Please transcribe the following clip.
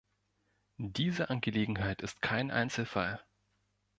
Diese Angelegenheit ist kein Einzelfall.